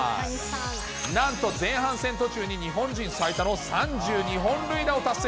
なんと前半戦途中に日本人最多の３２本塁打を達成。